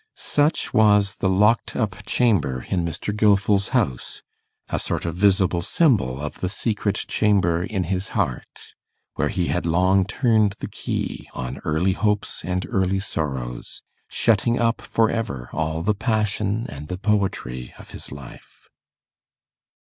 Such was the locked up chamber in Mr. Gilfil's house: a sort of visible symbol of the secret chamber in his heart, where he had long turned the key on early hopes and early sorrows, shutting up for ever all the passion and the poetry of his life.